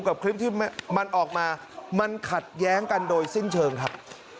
กับคลิปที่มันออกมามันขัดแย้งกันโดยสิ้นเชิงครับ